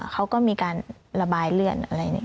เขาก็มีการระบายเลือดอะไรอย่างนี้